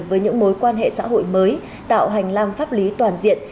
với những mối quan hệ xã hội mới tạo hành lang pháp lý toàn diện